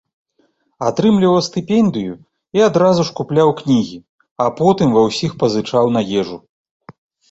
Атрымліваў стыпендыю і адразу ж купляў кнігі, а потым ва ўсіх пазычаў на ежу.